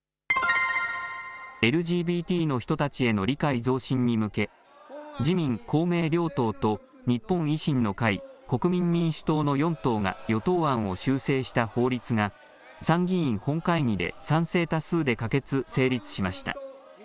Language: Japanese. ＬＧＢＴの人たちへの理解増進に向け自民公明両党と日本維新の会、国民民主党の４党が与党案を修正した法律が参議院本会議で賛成多数で可決・成立しました。